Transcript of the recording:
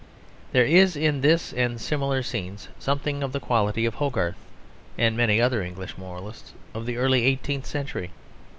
There is in this and similar scenes something of the quality of Hogarth and many other English moralists of the early eighteenth century.